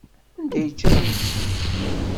Anda ay ččan imekli?